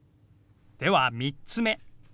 では３つ目。